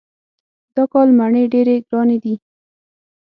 دا کال مڼې ډېرې ګرانې دي.